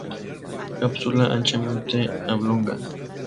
Cápsula anchamente oblonga.